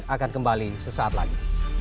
akan kembali sesaat lagi